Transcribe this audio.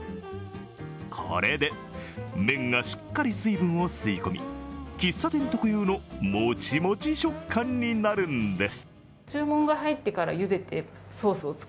これで麺がしっかり水分を吸い込み喫茶店特有のもちもち食感になるんです。